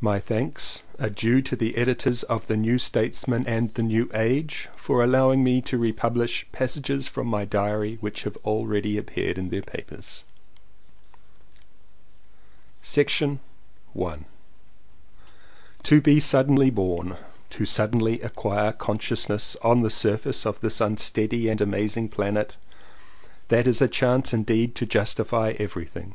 My thanks are due to the editors of The New Statesman and The New Age for allowing me to republish passages from my diary which have already appeared in their papers. To BE suddenly born, to suddenly acquire consciousness on the surface of this unsteady and amazing planet, that is a chance indeed to justify everything.